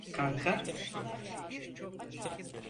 Kanka?